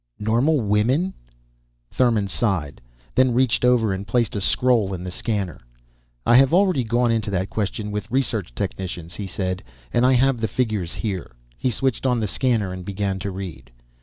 _" "Normal women?" Thurmon sighed, then reached over and placed a scroll in the scanner. "I have already gone into that question with research technicians," he said. "And I have the figures here." He switched on the scanner and began to read.